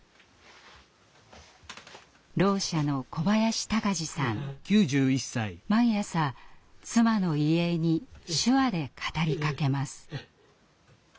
ろう者の毎朝妻の遺影に手話で語りかけます。